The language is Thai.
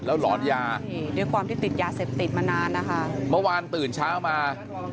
หลอนยานี่ด้วยความที่ติดยาเสพติดมานานนะคะเมื่อวานตื่นเช้ามา